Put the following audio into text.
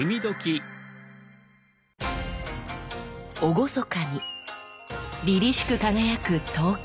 厳かにりりしく輝く刀剣。